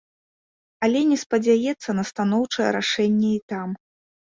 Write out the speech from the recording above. Але не спадзяецца на станоўчае рашэнне і там.